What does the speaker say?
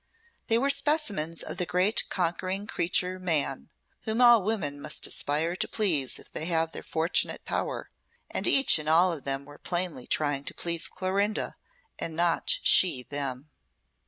They were specimens of the great conquering creature Man, whom all women must aspire to please if they have the fortunate power; and each and all of them were plainly trying to please Clorinda, and not she them.